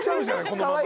このまま。